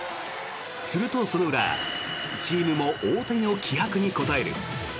すると、その裏チームも大谷の気迫に応える。